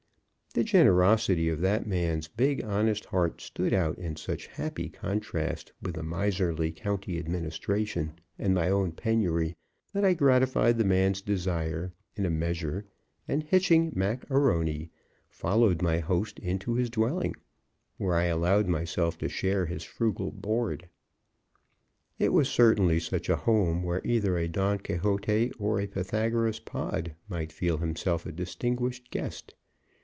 The generosity of that man's big, honest heart stood out in such happy contrast with the miserly county administration and my own penury that I gratified the man's desire, in a measure, and hitching Mac A'Rony, followed my host into his dwelling, where I allowed myself to share his frugal board. It was certainly such a home where either a Don Quixote or a Pythagoras Pod might feel himself a distinguished guest.